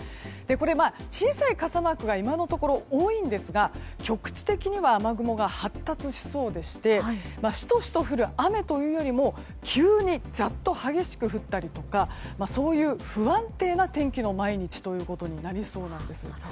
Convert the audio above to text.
これ、小さい傘マークが今のところ多いんですが局地的には雨雲が発達しそうでしてしとしと降る雨というよりも急にざっと激しく降ったりそういう不安定な天気の毎日となりそうなんです。